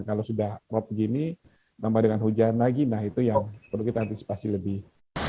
kalau sudah rop begini tambah dengan hujan lagi nah itu yang perlu kita antisipasi lebih